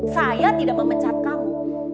saya tidak memecat kamu